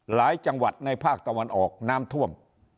หลายจังหวัดในภาคตะวันออกน้ำท่วม